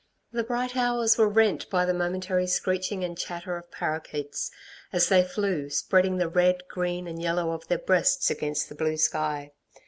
The bright hours were rent by the momentary screeching and chatter of parroquets, as they flew, spreading the red, green and yellow of their breasts against the blue sky.